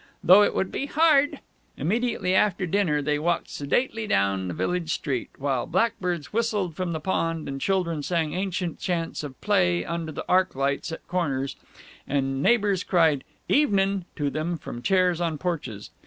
Though it would be hard." Immediately after dinner they walked sedately down the village street, while blackbirds whistled from the pond and children sang ancient chants of play under the arc lights at corners, and neighbors cried "'Evenin'" to them, from chairs on porches.